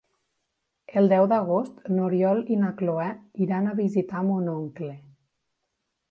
El deu d'agost n'Oriol i na Cloè iran a visitar mon oncle.